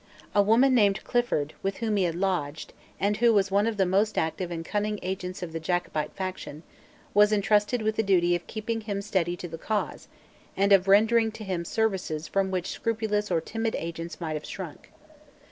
A woman named Clifford, with whom he had lodged, and who was one of the most active and cunning agents of the Jacobite faction, was entrusted with the duty of keeping him steady to the cause, and of rendering to him services from which scrupulous or timid agents might have shrunk.